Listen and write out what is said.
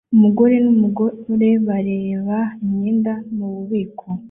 Umugabo numugore bareba imyenda mububiko